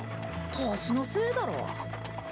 年のせいだろ。